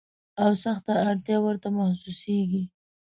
او سخته اړتیا ورته محسوسیږي.